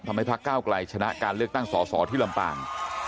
ทำให้พระเก้ากลายชนะการเลือกตั้งสอที่ลำปาง